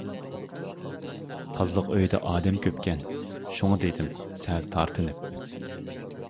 -تازىلىق ئۆيىدە ئادەم كۆپكەن-شۇڭا دېدىم سەل تارتىنىپ.